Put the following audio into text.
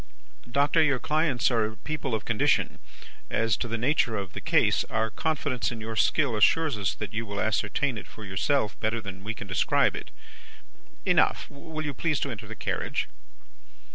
'Doctor, your clients are people of condition. As to the nature of the case, our confidence in your skill assures us that you will ascertain it for yourself better than we can describe it. Enough. Will you please to enter the carriage?